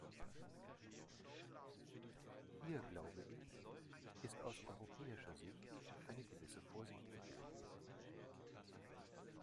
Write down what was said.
Hier, glaube ich, ist aus europäischer Sicht eine gewisse Vorsicht geboten.